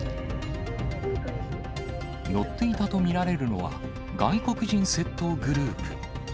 乗っていたと見られるのは、外国人窃盗グループ。